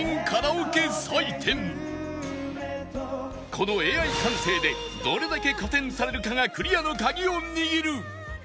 この Ａｉ 感性でどれだけ加点されるかがクリアのカギを握る